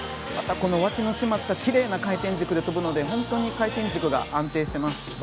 また、脇の閉まったきれいな回転軸で跳ぶので本当に回転軸が安定しています。